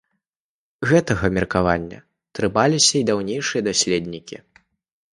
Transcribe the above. Гэтага меркавання трымаліся і даўнейшыя даследнікі.